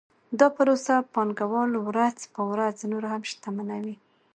دا پروسه پانګوال ورځ په ورځ نور هم شتمنوي